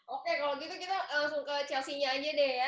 oke kalau gitu kita langsung ke chelsea aja deh ya